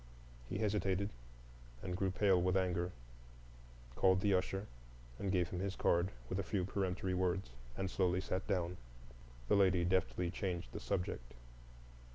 He hesitated and grew pale with anger, called the usher and gave him his card, with a few peremptory words, and slowly sat down. The lady deftly changed the subject.